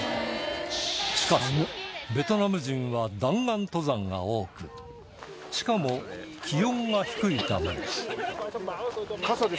しかしベトナム人は弾丸登山が多くしかも気温が低いため